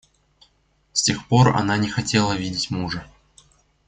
С тех пор она не хотела видеть мужа.